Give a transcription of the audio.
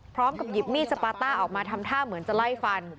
พร้อมกับหยิบมีดสปาต้าออกมาทำท่าเหมือนจะไล่ฟัน